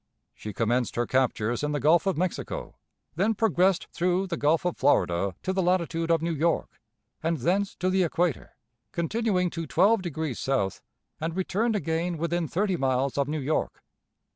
She commenced her captures in the Gulf of Mexico, then progressed through the Gulf of Florida to the latitude of New York, and thence to the equator, continuing to 12 deg. south, and returned again within thirty miles of New York.